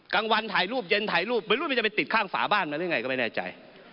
กลางวันถ่ายรูปเย็นถ่ายรูปไม่รู้มันจะไปติดข้างฝาบ้านมาหรือไงก็ไม่แน่ใจ